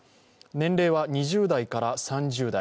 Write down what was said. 年齢は２０代から３０代。